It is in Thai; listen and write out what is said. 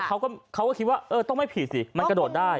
เขาก็คิดว่าเออต้องไม่ผิดสิมันกระโดดได้